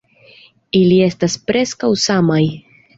Ili estas preskaŭ samaj.